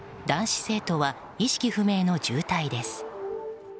男子生徒は意識不明の重体です。